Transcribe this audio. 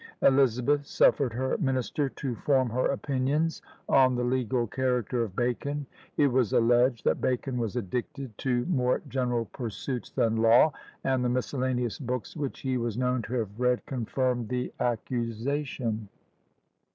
Elizabeth suffered her minister to form her opinions on the legal character of Bacon. It was alleged that Bacon was addicted to more general pursuits than law, and the miscellaneous books which he was known to have read confirmed the accusation.